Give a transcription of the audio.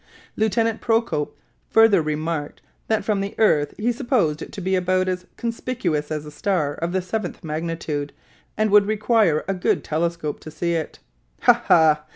Lieutenant Procope further remarked that from the earth he supposed it to be about as conspicuous as a star of the seventh magnitude, and would require a good telescope to see it. "Ha, ha!"